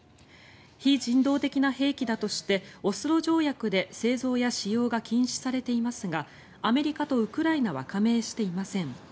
非人道的な兵器だとしてオスロ条約で製造や使用が禁止されていますがアメリカとウクライナは加盟していません。